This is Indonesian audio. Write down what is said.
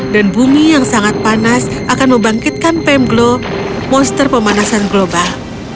dan bumi yang sangat panas akan membangkitkan pemglo monster pemanasan global